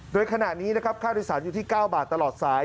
โดยขณะนี้นะครับค่าโดยสารอยู่ที่๙บาทตลอดสาย